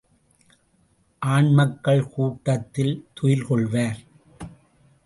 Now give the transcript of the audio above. ஆண்மக்கள் கூடத்தில் துயில்கொள்வர்.